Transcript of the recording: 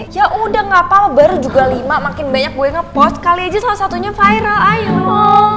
ya udah gak pal baru juga lima makin banyak gue ngepost kali aja salah satunya viral ayo